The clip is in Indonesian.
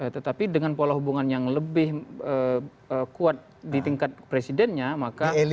tetapi dengan pola hubungan yang lebih kuat di tingkat presidennya maka